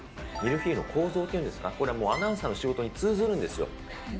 ミルフィーユの構造というんですか、これはもう、アナウンサーの仕事に通ずるんですよ。